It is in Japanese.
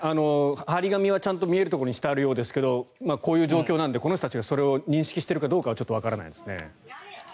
貼り紙はちゃんと見えるところにしているようですがこういう状況なのでこの人たちがそれを認識しているかどうかはちょっとわからないですね。